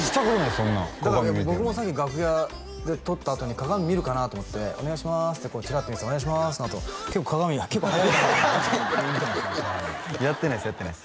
そんなん僕もさっき楽屋で撮ったあとに鏡見るかなと思って「お願いしまーす」チラッと見て「お願いしまーす」のあと今日鏡結構早いなってやってないですやってないです